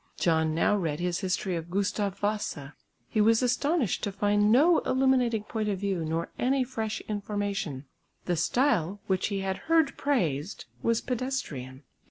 John now read his history of Gustav Vasa. He was astonished to find no illuminating point of view nor any fresh information. The style, which he had heard praised, was pedestrian.